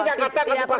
tidak perlu dijawab